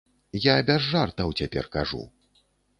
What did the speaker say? Я без жартаў цяпер кажу.